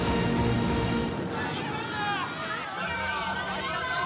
ありがとう！